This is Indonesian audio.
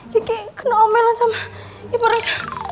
gigi kena omelan sama ibu reza